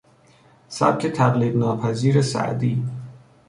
سبک تقلید ناپذیر سعدی